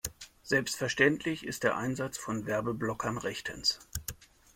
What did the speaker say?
Selbstverständlich ist der Einsatz von Werbeblockern rechtens.